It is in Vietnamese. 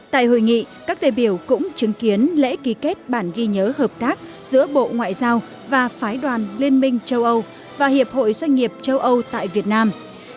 tại hội nghị các đại biểu cũng chứng kiến lễ ký kết bản ghi nhớ hợp tác giữa bộ ngoại giao và phái đoàn liên minh châu âu và hiệp hội doanh nghiệp châu âu tại việt nam